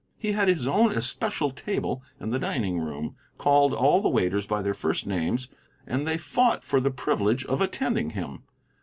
He had his own especial table in the dining room, called all the waiters by their first names, and they fought for the privilege of attending him.